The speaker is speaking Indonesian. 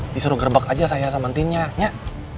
disuruh gerbak aja saya sama entinnya nyak